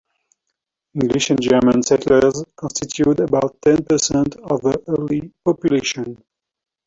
English and German settlers constituted about ten percent of the early population.